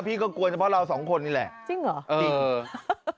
พี่ก็กลัวเฉพาะเราสองคนนี่แหละจริงเหรอจริง